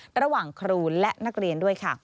ต่อระหว่างครูและนักเรียน